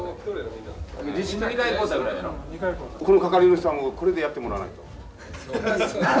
ここの係主さんがこれでやってもらわないと。